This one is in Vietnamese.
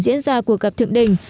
diễn ra cuộc gặp thượng đỉnh